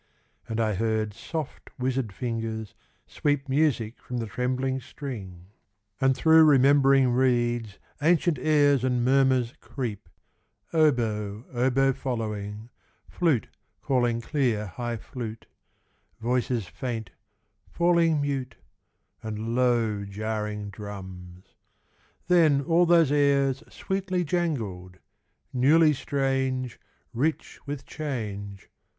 And I heard Soft, wizard fingers sweep Music from the trembling string, And through remembering reeds Ancient airs and murmurs creep; Oboe oboe following, Flute calling clear high flute, Voices faint, falling mute, And low jarring drums; Then all those airs Sweetly jangled newly strange, Rich with change....